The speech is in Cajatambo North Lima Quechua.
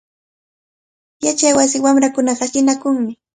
Yachaywasi wamrakunaqa ashllinakunmi.